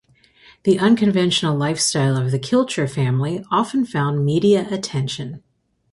The unconventional lifestyle of the Kilcher family often found media attention.